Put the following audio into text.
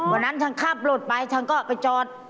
วันนั้นฉันขับรถไปฉันก็ไปจอด